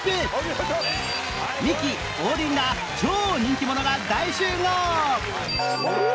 ミキ王林ら超人気者が大集合！